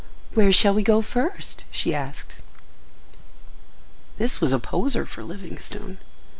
"Where shall we go first?" she asked. This was a poser for Livingstone.